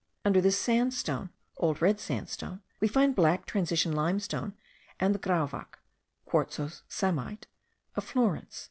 Under this sandstone (old red sandstone) we find black transition limestone and the grauwack (quartzose psammite) of Florence.)